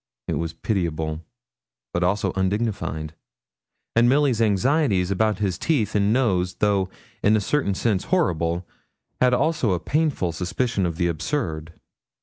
It was pitiable, but also undignified; and Milly's anxieties about his teeth and nose, though in a certain sense horrible, had also a painful suspicion of the absurd.